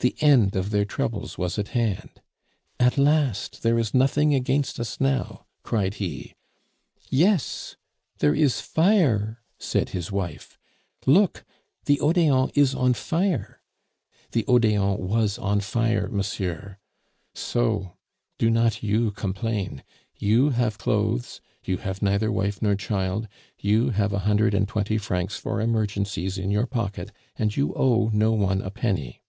The end of their troubles was at hand. 'At last! There is nothing against us now,' cried he. 'Yes, there is fire,' said his wife; 'look, the Odeon is on fire!' The Odeon was on fire, monsieur. So do not you complain. You have clothes, you have neither wife nor child, you have a hundred and twenty francs for emergencies in your pocket, and you owe no one a penny.